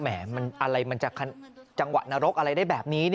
อะไรมันจะจังหวะนรกอะไรได้แบบนี้